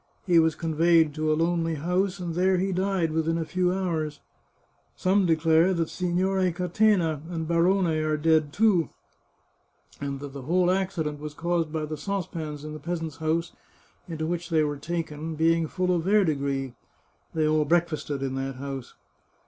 He was conveyed to a lonely house, and there he died, within a few hours. Some declare that Signore Catena and Barone are dead too, and that the whole accident was caused by the saucepans in the peasant's house, into which they were taken, being full of verdigris — they all breakfasted in that house.